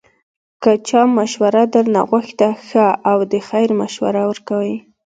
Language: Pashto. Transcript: که چا مشوره درنه غوښته، ښه او د خیر مشوره ورکوئ